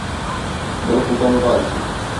Бер ҡултамға өсөн!